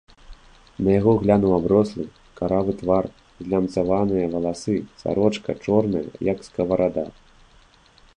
На яго глянуў аброслы, каравы твар, злямцаваныя валасы, сарочка чорная, як скаварада.